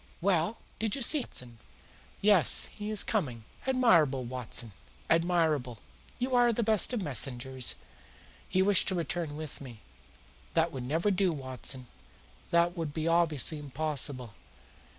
"Well, did you see him, Watson?" "Yes; he is coming." "Admirable, Watson! Admirable! You are the best of messengers." "He wished to return with me." "That would never do, Watson. That would be obviously impossible.